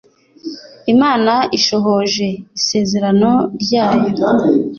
Imana ishohoje isezerano ryayo